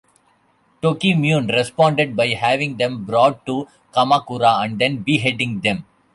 Tokimune responded by having them brought to Kamakura and then beheading them.